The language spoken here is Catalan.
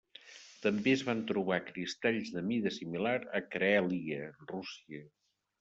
També es van trobar cristalls de mida similar a Carèlia, Rússia.